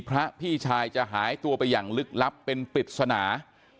พระพี่ชายจะหายตัวไปอย่างลึกลับเป็นปริศนา